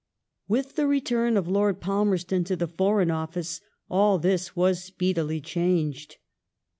With the return of Lord Palmerston to the Foreign Office all this was speedily changed.